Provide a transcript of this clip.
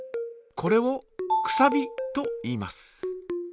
これを「くさび」といいます。